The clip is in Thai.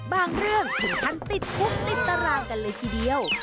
เรื่องถึงขั้นติดคุกติดตารางกันเลยทีเดียว